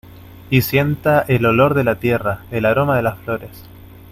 Y sienta el olor de la tierra, el aroma de las flores.